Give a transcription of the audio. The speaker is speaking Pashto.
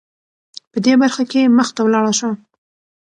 په دې برخه کې مخته ولاړه شې .